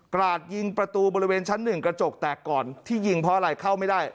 ราดยิงประตูบริเวณชั้นหนึ่งกระจกแตกก่อนที่ยิงเพราะอะไรเข้าไม่ได้